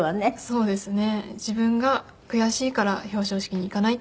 そうですね。